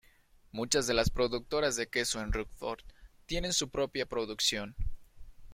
Muchas de las productoras de queso en Roquefort tienen su propia producción.